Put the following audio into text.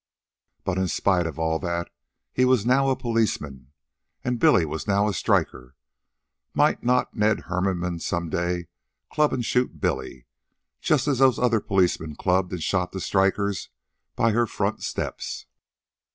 But, in spite of all that, he was now a policeman, and Billy was now a striker. Might not Ned Hermanmann some day club and shoot Billy just as those other policemen clubbed and shot the strikers by her front steps?